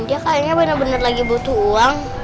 dan dia kayaknya bener bener lagi butuh uang